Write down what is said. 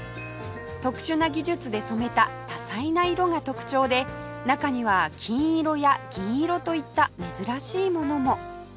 特殊な技術で染めた多彩な色が特徴で中には金色や銀色といった珍しいものも